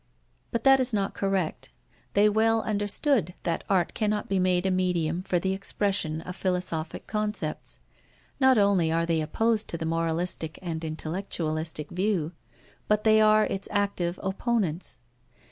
But that is not correct. They well understood that art cannot be made a medium for the expression of philosophic concepts. Not only are they opposed to the moralistic and intellectualistic view, but they are its active opponents.